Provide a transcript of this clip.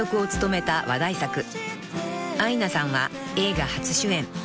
［アイナさんは映画初主演］